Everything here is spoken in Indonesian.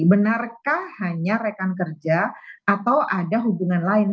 benarkah hanya rekan kerja atau ada hubungan lain